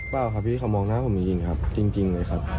เปล่าครับพี่เขามองหน้าผมจริงครับจริงเลยครับ